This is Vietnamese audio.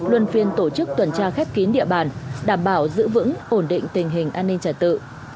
luân phiên tổ chức tuần tra khép kín địa bàn đảm bảo giữ vững ổn định tình hình an ninh trả tự